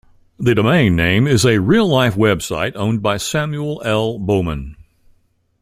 The domain name is a real-life website owned by Samuel L. Bowman.